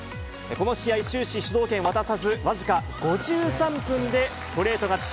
この試合、終始主導権を渡さず、僅か５３分でストレート勝ち。